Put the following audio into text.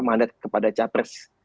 mandat kepada capres